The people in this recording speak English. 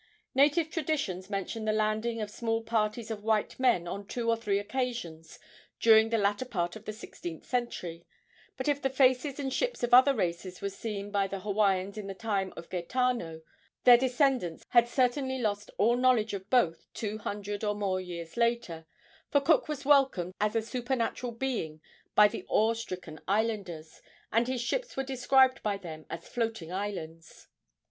Native traditions mention the landing of small parties of white men on two or three occasions during the latter part of the sixteenth century; but if the faces and ships of other races were seen by the Hawaiians in the time of Gaetano, their descendants had certainly lost all knowledge of both two hundred or more years later, for Cook was welcomed as a supernatural being by the awe stricken islanders, and his ships were described by them as floating islands.